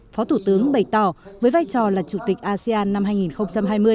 phó thủ tướng bày tỏ với vai trò là chủ tịch asean năm hai nghìn hai mươi